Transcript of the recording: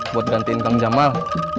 buat gantiin kang jamal